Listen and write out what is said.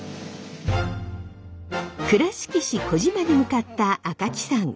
倉敷市児島に向かった赤木さん。